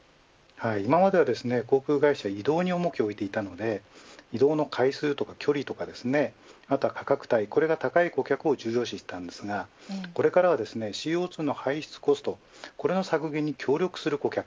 今までは航空会社は移動に重きを置いていたので移動の回数とか距離とかあとは価格帯が高い顧客を重要視していましたがこれからはＣＯ２の排出コスト削減に協力する顧客